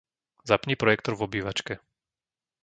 Zapni projektor v obývačke.